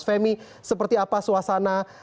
femi seperti apa suasana